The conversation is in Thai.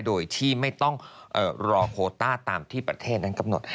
โดยที่ไม่ต้องรอโคต้าตามที่ประเทศนั้นกำหนด